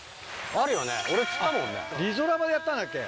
リゾラバでやったんだっけ。